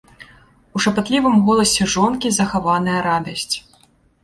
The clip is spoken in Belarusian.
У шапатлівым голасе жонкі захаваная радасць.